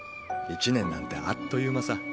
一年なんてあっという間さ。